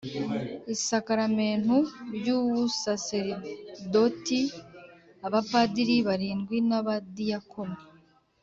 isakaramentu ry’ubusaserdoti abapadiri barindwi n’abadiyakoni